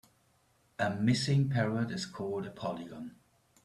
A missing parrot is called a polygon.